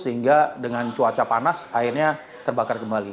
sehingga dengan cuaca panas akhirnya terbakar kembali